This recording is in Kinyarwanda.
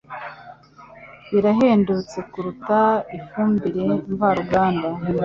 Birahendutse kuruta ifumbire mvaruganda